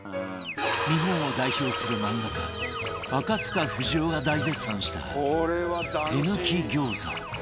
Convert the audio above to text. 日本を代表する漫画家赤塚不二夫が大絶賛した手抜き餃子